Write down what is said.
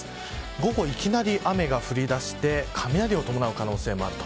午後、いきなり雨が降りだして雷を伴う可能性もあります。